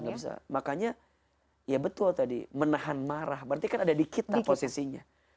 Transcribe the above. nggak bisa makanya ya betul tadi menahan marah berarti kan ada di kita posisinya